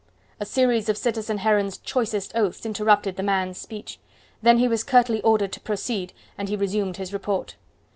A series of citizen Heron's choicest oaths interrupted the man's speech. Then he was curtly ordered to proceed, and he resumed his report.